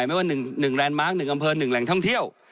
ไม่ว่า๑แลนดมาร์ค๑อำเภอ๑แหล่งท่องเที่ยว